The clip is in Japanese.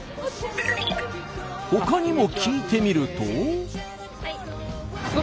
ほかにも聞いてみると。